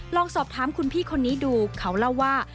ลองสอบถามคุณพี่คนนี้ดูเขาเล่าว่า